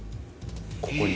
ここに。